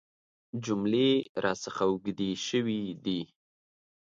جملې راڅخه اوږدې شوي دي .